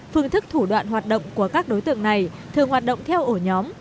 phương thức thủ đoạn hoạt động của các đối tượng này thường hoạt động theo ổ nhóm